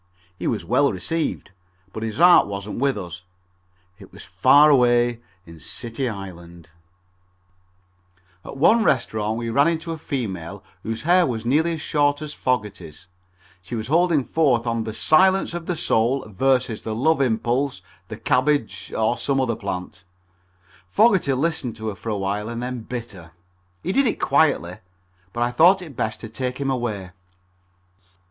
He was well received, but his heart wasn't with us. It was far away in City Island. [Illustration: "FOR THE MOST PART, HOWEVER, HE SAT QUIETLY ON MY LAP AND SNIFFED"] At one restaurant we ran into a female whose hair was nearly as short as Fogerty's. She was holding forth on the Silence of the Soul vs. the Love Impulse, the cabbage or some other plant. Fogerty listened to her for a while and then bit her. He did it quietly, but I thought it best to take him away.